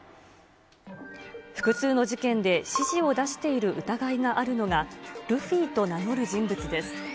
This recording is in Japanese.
複数の事件で指示を出している疑いがあるのが、ルフィと名乗る人物です。